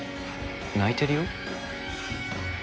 泣いてるよ？